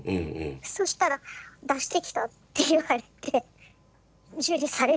そしたら「出してきた」って言われて受理されて。